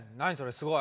すごい。